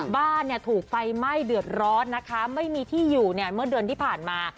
บ้านเนี่ยถูกไฟไหม้เดือดร้อนนะคะไม่มีที่อยู่เนี่ยเมื่อเดือนที่ผ่านมา